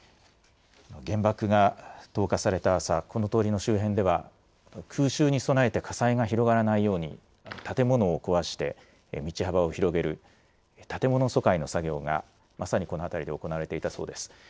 原爆が投下された朝、この通りの周辺では、空襲に備えて火災が広がらないように建物を壊して、道幅を広げる、建物疎開の作業がまさにこの辺りで行われていたそうです。